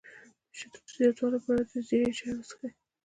د شیدو د زیاتوالي لپاره د زیرې چای وڅښئ